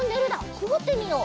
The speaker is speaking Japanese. くぐってみよう。